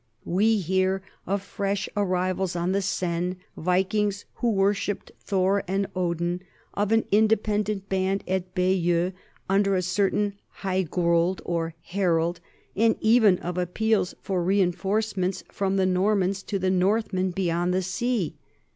We hear of fresh arrivals on the Seine, Vikings who wor shipped Thor and Odin, of an independent band at Bayeux under a certain Haigrold or Harold, and even of appeals for reinforcements from the Normans to the Northmen beyond the sea.